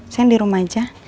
saya di rumah aja